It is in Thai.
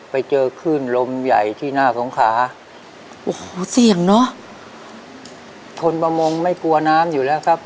ไปเจอคลื่นลมใหญ่ที่หน้าสงขาโอ้โหเสี่ยงเนอะทนประมงไม่กลัวน้ำอยู่แล้วครับ